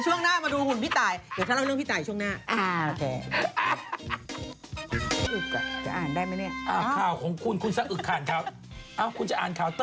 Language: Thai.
ฉันให้เธอเล่าเรื่องคอนโดเผื่อคุณผู้ชมอยากรู้อ่ะ